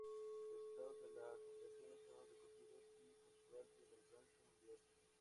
Los resultados de las competiciones son recogidos y puntúan en el ranking mundial.